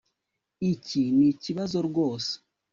Iki nikibazo rwose